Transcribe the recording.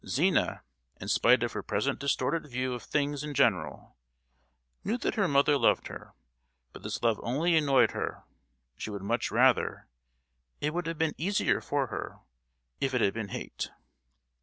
Zina, in spite of her present distorted view of things in general, knew that her mother loved her; but this love only annoyed her; she would much rather—it would have been easier for her—if it had been hate!